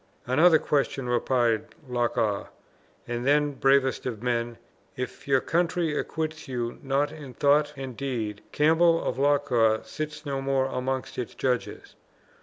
"Another question," replied Loch awe, "and then, bravest of men, if your country acquits you not in thought and deed, Campbell of Loch awe sits no more amongst its judges!